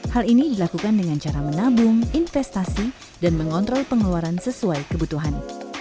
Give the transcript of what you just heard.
hal ini dilakukan dengan cara menabung investasi dan mengontrol pengeluaran sesuai kebutuhan